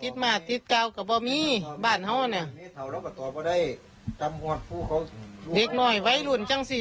เด็กน้อยวัยรุ่นจังสิ